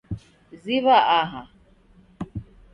Ziw'a aha.